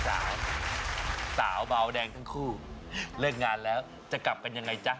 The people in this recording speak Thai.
สาวสาวเบาแดงทั้งคู่เลิกงานแล้วจะกลับกันยังไงจ๊ะ